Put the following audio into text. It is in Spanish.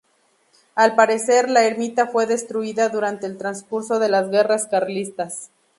Al parecer la ermita fue destruida durante el transcurso de las guerras carlistas.